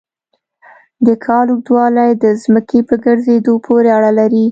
د کال اوږدوالی د ځمکې په ګرځېدو پورې اړه لري.